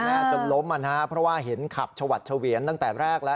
จนล้มอ่ะนะฮะเพราะว่าเห็นขับชวัดเฉวียนตั้งแต่แรกแล้ว